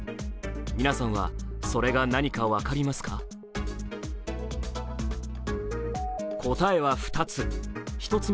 皆さんは、それが何か分かりますか答えは２つ。